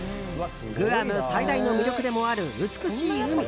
グアム最大の魅力でもある美しい海。